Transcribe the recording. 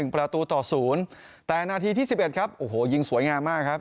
ประตูต่อ๐แต่นาทีที่๑๑ครับโอ้โหยิงสวยงามมากครับ